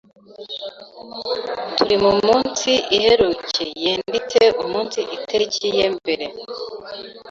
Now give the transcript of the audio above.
turi mu munsi iheruke yenditse umunsi iteriki ye mbere.